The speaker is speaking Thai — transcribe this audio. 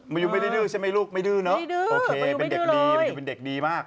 ไม่ได้ดื้อใช่มั้ยลูกไม่ดื้อไม่เด็กดีมันจะเป็นเด็กดีมาก